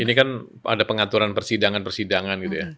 ini kan ada pengaturan persidangan persidangan gitu ya